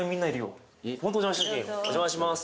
お邪魔します